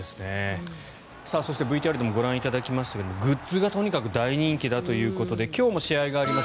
そしてＶＴＲでもご覧いただきましたがグッズがとにかく大人気だということで今日も試合があります。